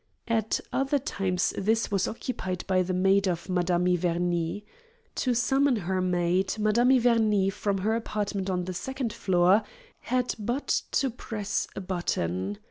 At other times this was occupied by the maid of Madame Iverney. To summon her maid Madame Iverney, from her apartment on the second floor, had but to press a button.